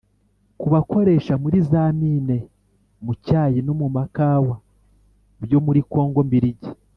kubakoresha muri za mine, mu cyayi no mu makawa byo muri kongo mbiligi.